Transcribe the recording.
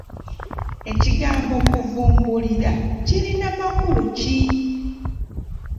Ekigambo kuvumbulira kirina makulu ki?